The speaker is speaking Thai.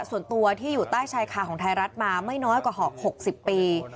ส่วนตัวที่อยู่ใต้ชายคาของไทยรัฐมาไม่น้อยกว่า๖๐ปี